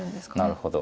なるほど。